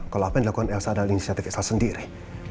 kalau apa yang dilakukan elsa adalah iniciatif keilsal sendiri